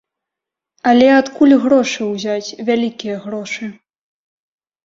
Але адкуль грошы ўзяць, вялікія грошы?